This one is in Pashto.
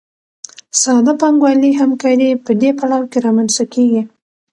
ساده پانګوالي همکاري په دې پړاو کې رامنځته کېږي